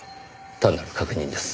単なる確認です。